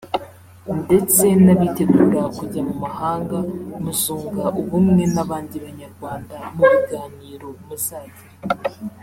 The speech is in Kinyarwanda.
ndetse n’abitegura kujya mu mahanga muzunga ubumwe n’abandi banyarwanda mu biganiro muzagira